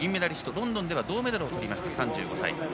ロンドンでは銅メダルをとった３５歳。